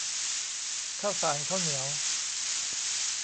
ข้าวสารข้าวเหนียว